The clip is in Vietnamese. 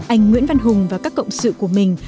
anh nguyễn văn hùng và các cộng sự của mình